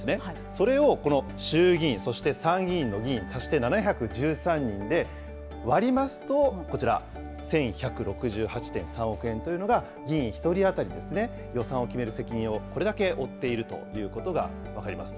それをこの衆議院、そして参議院の議員足して７１３人で割りますと、こちら、１１６８．３億円というのが、議員１人当たりの予算を決める責任をこれだけ負っているということが分かります。